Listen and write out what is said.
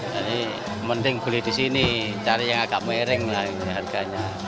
jadi mending beli di sini cari yang agak miring lah harganya